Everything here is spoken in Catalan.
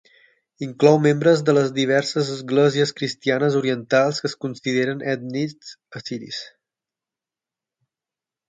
Inclou membres de les diverses esglésies cristianes orientals que es consideren ètnics assiris.